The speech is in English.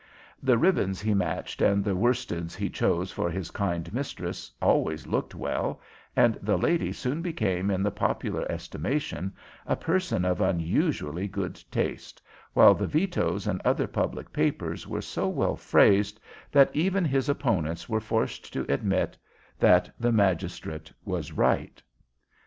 The ribbons he matched and the worsteds he chose for his kind mistress always looked well, and the lady soon became in the popular estimation a person of unusually good taste, while the vetoes and other public papers were so well phrased that even his opponents were forced to admit that the magistrate was right.